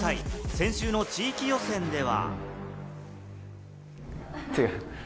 先週の地域予選では。